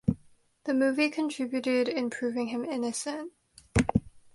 The movie contributed in proving him innocent.